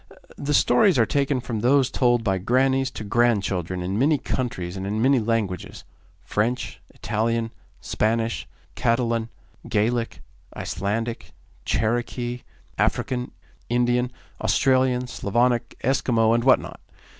The stories are taken from those told by grannies to grandchildren in many countries and in many languages French, Italian, Spanish, Catalan, Gaelic, Icelandic, Cherokee, African, Indian, Australian, Slavonic, Eskimo, and what not.